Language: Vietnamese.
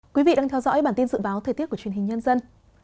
quý vị đang theo dõi bản tin dự báo thời tiết của truyền hình nhân dân